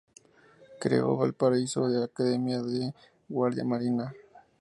Creó en Valparaíso la Academia de Guardia Marina.